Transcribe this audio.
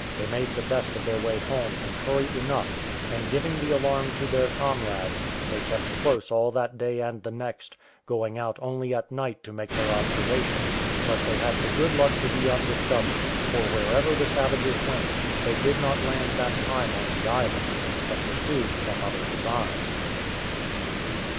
They made the best of their way home in hurry enough; and giving the alarm to their comrades, they kept close all that day and the next, going out only at night to make their observation: but they had the good luck to be undiscovered, for wherever the savages went, they did not land that time on the island, but pursued some other design.